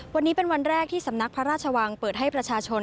วันนี้เป็นวันแรกที่สำนักพระราชวังเปิดให้ประชาชน